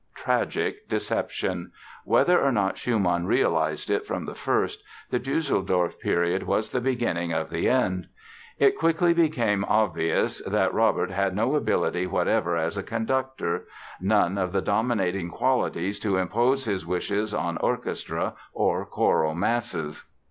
Tragic deception! Whether or not Schumann realized it from the first, the Düsseldorf period was the beginning of the end. It quickly became obvious that Robert had no ability whatever as a conductor, none of the dominating qualities to impose his wishes on orchestras or choral masses.